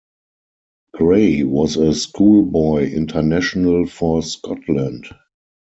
Gray was a schoolboy international for Scotland.